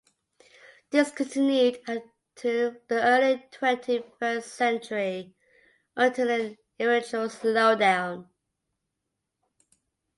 This continued until the early twenty first century, until an eventual slowdown.